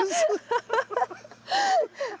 ハハハッ。